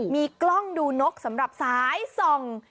มีกล้องดูนกสำหรับสายส่อง